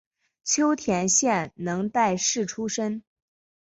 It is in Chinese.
秋田县能代市出身。